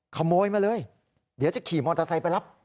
ขโมยมาเลยเดี๋ยวจะขี่มอเตอร์ไซค์ไปรับ